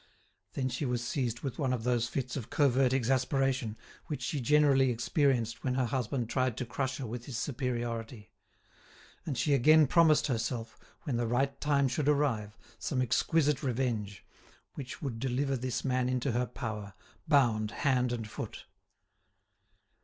Then she was seized with one of those fits of covert exasperation, which she generally experienced when her husband tried to crush her with his superiority. And she again promised herself, when the right time should arrive, some exquisite revenge, which would deliver this man into her power, bound hand and foot.